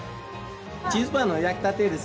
チーズパンの焼きたてです。